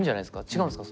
違うんですか？